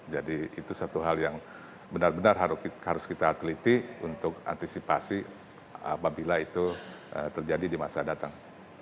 jadi itu satu hal yang benar benar harus kita teliti untuk antisipasi apabila itu terjadi di masa datang